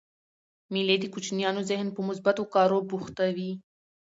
مېلې د کوچنيانو ذهن په مثبتو کارو بوختوي.